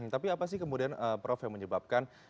tapi apa sih kemudian prof yang menyebabkan